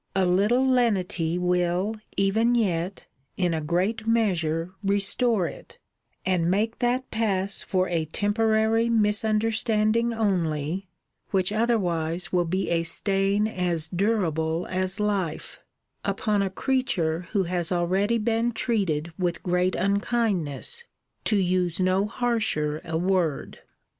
A little lenity will, even yet, in a great measure, restore it, and make that pass for a temporary misunderstanding only, which otherwise will be a stain as durable as life, upon a creature who has already been treated with great unkindness, to use no harsher a word.